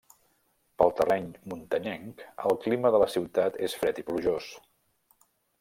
Pel terreny muntanyenc el clima de la ciutat és fred i plujós.